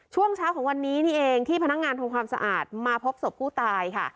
ช่วงเช้าของวันนี้นี่เองที่พนักงานทำความสะอาดมาพบศพผู้ตายค่ะ